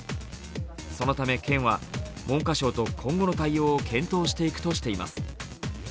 そのため県は文科省と今後の対応を検討していくとしています。